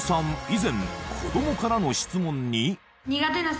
以前子どもからの質問に。